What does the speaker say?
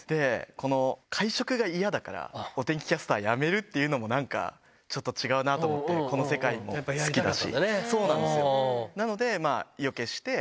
この会食が嫌だから、お天気キャスターやめるっていうのもなんか、ちょっと違うなと思って、この世界も好きだし。